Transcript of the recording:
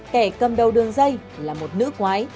kẻ cầm đầu đường dây là một nữ quái